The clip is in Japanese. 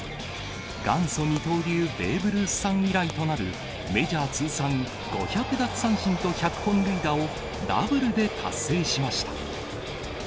元祖二刀流、ベーブ・ルースさん以来となるメジャー通算５００奪三振と１００本塁打をダブルで達成しました。